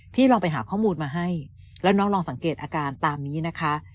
ลองไปหาข้อมูลมาให้แล้วน้องลองสังเกตอาการตามนี้นะคะ